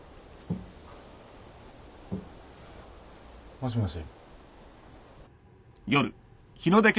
もしもし。